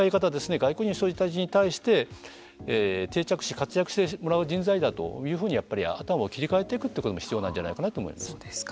外国人の人たちに対して定着し活躍してもらう人材だというふうに頭を切りかえていくということも必要なんじゃないかなと思います。